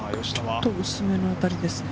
ちょっと薄めな当たりですね。